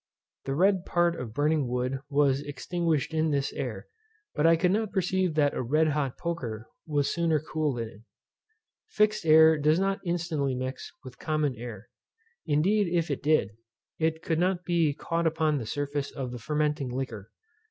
The red part of burning wood was extinguished in this air, but I could not perceive that a red hot poker was sooner cooled in it. Fixed air does not instantly mix with common air. Indeed if it did, it could not be caught upon the surface of the fermenting liquor.